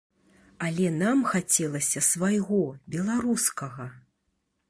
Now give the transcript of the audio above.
Але нам хацелася свайго, беларускага!